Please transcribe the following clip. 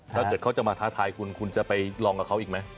ถ้าเกิดเขาจะมาท้าทายคุณคุณจะไปลองกับเขาอีกไหม